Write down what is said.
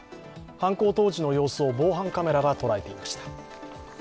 犯行当時の様子を防犯カメラが捉えていました。